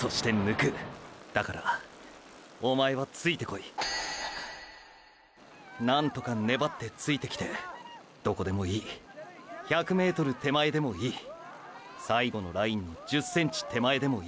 えなんとかねばってついてきてどこでもいい１００ｍ手前でもいい最後のラインの１０ｃｍ手前でもいい。